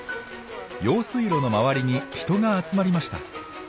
用水路の周りに人が集まりました。